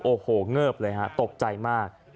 โอ้โหเงิบเลยฮะตกใจมาก